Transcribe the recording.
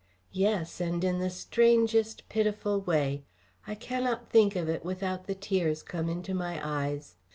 "Yes, and in the strangest, pitiful way. I cannot think of it, without the tears come into my eyes.